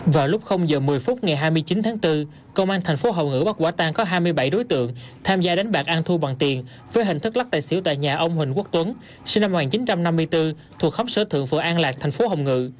vào lúc giờ một mươi phút ngày hai mươi chín tháng bốn công an thành phố hồng ngự bắt quả tan có hai mươi bảy đối tượng tham gia đánh bạc ăn thu bằng tiền với hình thức lắc tài xỉu tại nhà ông huỳnh quốc tuấn sinh năm một nghìn chín trăm năm mươi bốn thuộc khóm sở thượng phường an lạc thành phố hồng ngự